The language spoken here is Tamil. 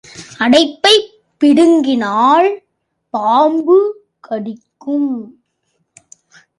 அடைப்பைப் பிடுங்கினால் பாம்பு கடிக்கும்.